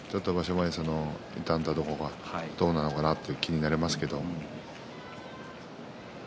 前、痛んだところがどうなのかなと気になりますけれども。